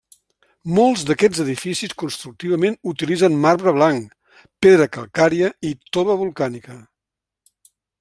Molts d'aquests edificis constructivament utilitzen marbre blanc, pedra calcària i tova volcànica.